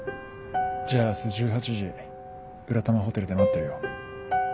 じゃあ明日１８時浦玉ホテルで待ってるよ。